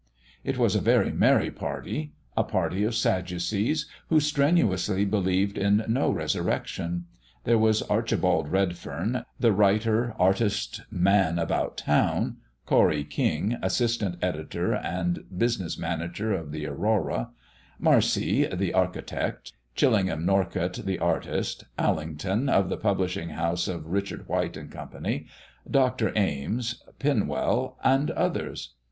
It was a very merry party a party of sadducees who strenuously believed in no resurrection. There was Archibald Redfern, the writer artist man about town; Corry King, assistant editor and business manager of the Aurora; Marcey, the architect; Chillingham Norcott, the artist; Allington, of the publishing house of Richard White & Co.; Dr. Ames, Pinwell, and others.